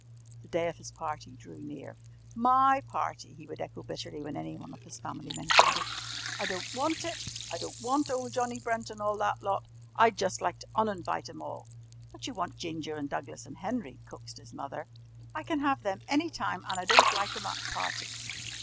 The day of his party drew near. "My party," he would echo bitterly when anyone of his family mentioned it. "I don't want it. I don't want ole Johnnie Brent an' all that lot. I'd just like to un invite 'em all." "But you want Ginger and Douglas and Henry," coaxed his Mother. "I can have them any time an' I don't like 'em at parties.